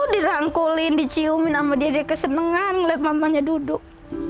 dirangkulin diciumin sama dia dia kesenengan liat mamanya duduk